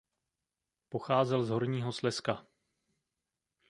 Pocházel z Horního Slezska.